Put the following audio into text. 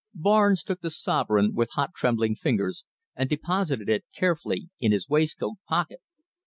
Barnes took the sovereign with hot, trembling fingers, and deposited it carefully in his waistcoat pocket.